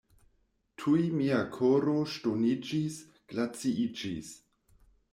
Tuj mia koro ŝtoniĝis, glaciiĝis.